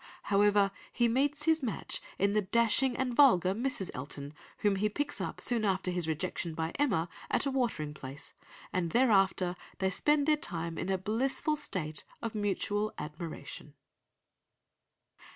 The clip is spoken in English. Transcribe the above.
However, he meets his match in the dashing and vulgar Mrs. Elton, whom he picks up, soon after his rejection by Emma, at a watering place, and thereafter they spend their time in a blissful state of mutual admiration.